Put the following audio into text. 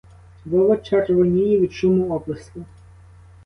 Вова червоніє від шуму оплесків.